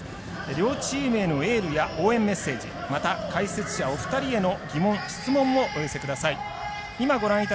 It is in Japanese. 両チームへのエールや応援メッセージまた解説者お二人への疑問、質問もお寄せください。